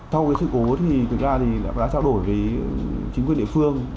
sau cái sự cố thì thực ra thì đã trao đổi với chính quyền địa phương